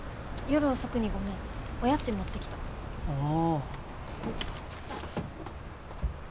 夜遅くにごめんお家賃持ってきたああ